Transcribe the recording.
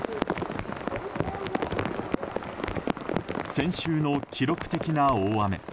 先週の記録的な大雨。